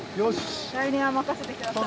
来年は任せて下さい。